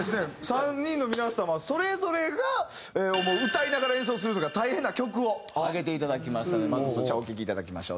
３人の皆様それぞれが思う歌いながら演奏するのが大変な曲を挙げていただきましたのでまずそちらをお聴きいただきましょう。